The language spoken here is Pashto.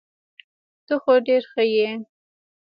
ته خو ډير ښه يي .